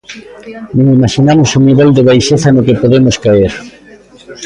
Nin imaxinamos o nivel de baixeza no que podemos caer!